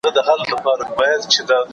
که حکومت وي نو بودیجه نه بندیږي.